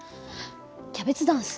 キャベツダンス？